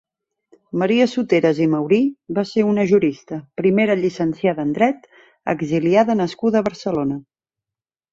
Maria Soteras i Maurí va ser una jurista, primera llicenciada en Dret, exiliada nascuda a Barcelona.